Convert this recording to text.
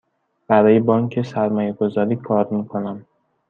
برای بانک سرمایه گذاری کار می کنم.